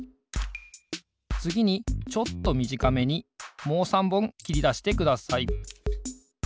つぎにちょっとみじかめにもう３ぼんきりだしてください。